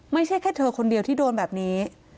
ไม่ใช่แค่เธอคนเดียวที่โดนแบบนี้